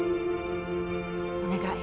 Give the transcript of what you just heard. お願い。